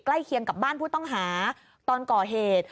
เคียงกับบ้านผู้ต้องหาตอนก่อเหตุ